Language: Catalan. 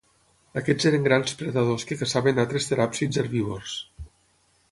Aquests eren grans predadors que caçaven altres teràpsids herbívors.